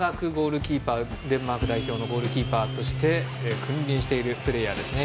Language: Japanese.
長くデンマーク代表のゴールキーパーとして君臨しているプレーヤーですね。